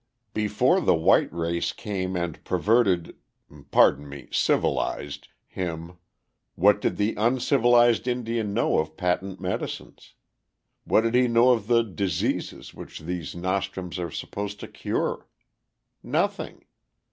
Before the white race came and perverted pardon me, civilized him, what did the "uncivilized Indian" know of patent medicines? What did he know of the diseases which these nostrums are supposed to cure? Nothing!